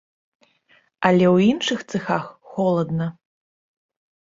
Але ў іншых цэхах холадна.